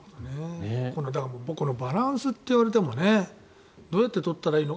このバランスって言われてもねどうやって取ったらいいの？